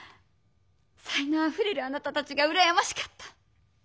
才のうあふれるあなたたちがうらやましかった。